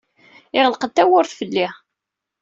Yeɣleq-d tawwurt fell-i.